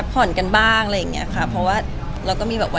ก็เป็นอีกประสบการณ์หนึ่งสำหรับการชมภาพยนตร์ที่ระบบดีแล้วก็นอนสบายด้วยค่ะ